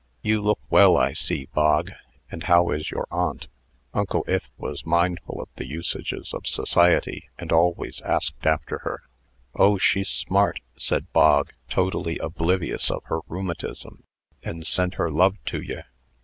"You look well, I see, Bog. And how is your aunt?" Uncle Ith was mindful of the usages of society, and always asked after her. "Oh, she's smart," said Bog, totally oblivious of her rheumatism, "and sent her love to ye."